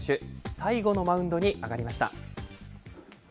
最後のマウンドに上がりました。